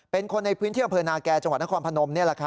เป็นคนในพื้นที่อำเภอนาแก่จังหวัดนครพนม